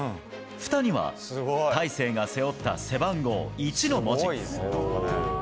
ふたには、大勢が背負った背番号１の文字。